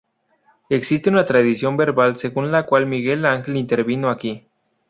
Existe una tradición verbal según la cual Miguel Ángel intervino aquí.